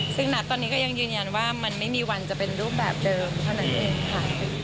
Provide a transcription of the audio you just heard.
ซึ่งณตอนนี้ก็ยังยืนยันว่ามันไม่มีวันจะเป็นรูปแบบเดิมเท่านั้นเองค่ะ